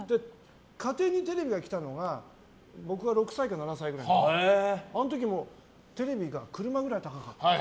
家庭にテレビが来たのが僕が６歳か７歳くらいであの時もテレビが車くらい高かった。